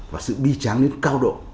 và sự bi tráng đến cao độ